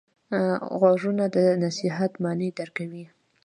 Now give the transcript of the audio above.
غوږونه د نصیحت معنی درک کوي